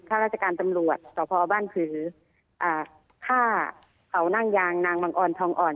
ข้าราชการตำรวจสพบ้านผือฆ่าเขานั่งยางนางบังออนทองอ่อน